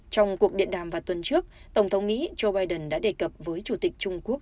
trong cuộc điện đàm vào tuần trước tổng thống mỹ joe biden đã đề cập với chủ tịch trung quốc